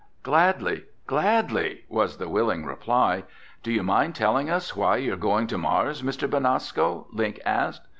"Gladly, gladly," was the willing reply. "Do you mind telling us why you're going to Mars, Mr. Benasco?" Link asked.